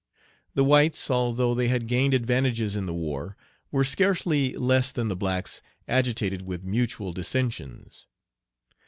Page 56 The whites, although they had gained advantages in the war, were scarcely less than the blacks agitated with mutual dissensions.